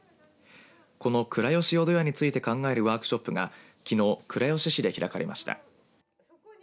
この倉吉淀屋について考えるワークショップがきのう倉吉市で開かれました。